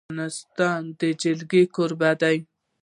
افغانستان د جلګه کوربه دی.